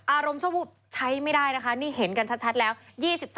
อารมณ์สมบูรณ์ใช้ไม่ได้นี่เห็นกันชัด